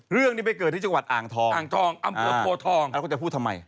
เรื่องนี้ไปเกิดที่จังหวัดอ่างทองอ่างทองอำเภอโพทองแล้วก็จะพูดทำไม